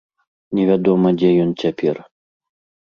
Невядома, дзе ён цяпер.